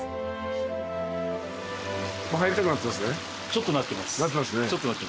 ちょっとなってます。